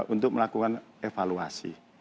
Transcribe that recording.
untuk melakukan evaluasi